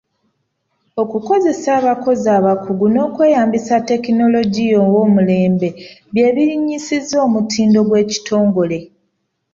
Okukozesa abakozi abakugu n’okweyambisa ttekinologiya ow'omulembe bye birinnyisizza omutindo gw'ekitongole.